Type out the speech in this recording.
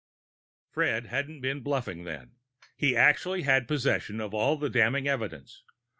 _ Fred hadn't been bluffing, then; he actually had possession of all the damning evidence.